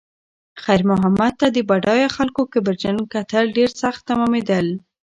خیر محمد ته د بډایه خلکو کبرجن کتل ډېر سخت تمامېدل.